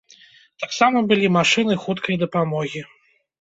Таксама былі машыны хуткай дапамогі.